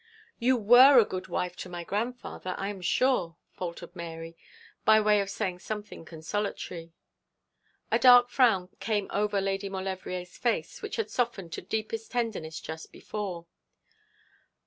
'You were a good wife to my grandfather, I am sure,' faltered Mary, by way of saying something consolatory. A dark frown came over Lady Maulevrier's face, which had softened to deepest tenderness just before.